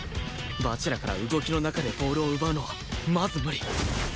蜂楽から動きの中でボールを奪うのはまず無理